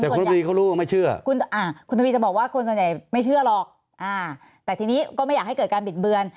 คุณทวีจะบอกว่าคนส่วนใหญ่ไม่เชื่อหรอกแต่ทีนี้ก็ไม่อยากให้เกิดการบินเบือน